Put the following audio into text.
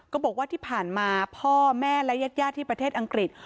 ก็บอกว่าที่ผ่านมาพ่อแม่และญาติที่ประเทศอังกฤษ